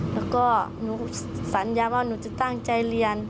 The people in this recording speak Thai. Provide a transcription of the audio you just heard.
แล้วก็หนูสัญญาว่าหนูจะตั้งใจเรียน